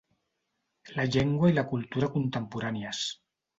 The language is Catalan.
La llengua i la cultura contemporànies.